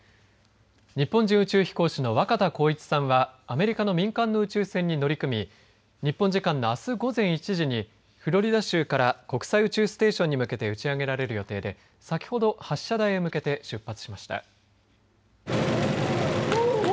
日本人宇宙飛行士の若田光一さんはアメリカの民間の宇宙船に乗り組み日本時間のあす午前１時にフロリダ州から国際宇宙ステーションに向けて打ち上げられる予定で先ほど発射台へ向けて出発しました。